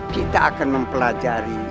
kita akan mempelajari